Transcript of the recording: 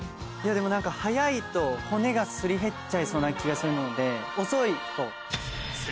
何か速いと骨がすり減っちゃいそうな気がするので。